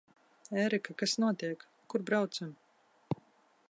Ērika, kas notiek? Kur braucam?